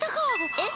えっ？